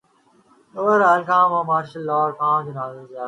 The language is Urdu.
بہرحال کہاںوہ مارشل لاء اورکہاں جنرل ضیاء الحق کا۔